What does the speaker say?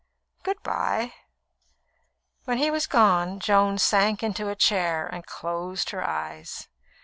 "Good bye." When he was gone, Joan sank into a chair and closed her eyes.